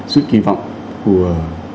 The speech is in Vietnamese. sự kì vọng của